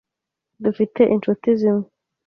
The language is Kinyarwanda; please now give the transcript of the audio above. Dufite inshuti zimwe.